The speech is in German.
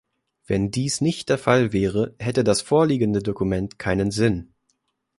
Wenn dies nicht der Fall wäre, hätte das vorliegende Dokument keinen Sinn.